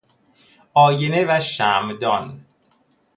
آینه و شمعدان